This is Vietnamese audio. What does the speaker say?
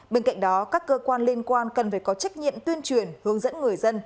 bên cạnh đó các cơ quan liên quan cần phải có trách nhiệm tuyên truyền hướng dẫn người dân